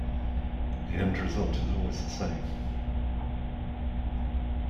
The end result is always the same.